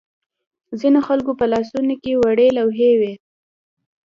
ځینو خلکو په لاسونو کې وړې لوحې وې.